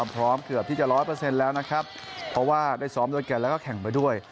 เพราะว่าได้ซ้อมโดยกันและก็แข่งไปด้วย